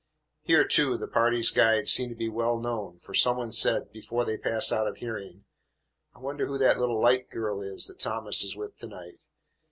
Here, too, the party's guide seemed to be well known, for some one said, before they passed out of hearing, "I wonder who that little light girl is that Thomas is with to night?